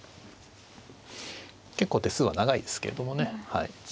結構手数は長いですけれどもねはい。